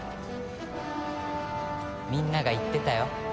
みんなが言ってたよ。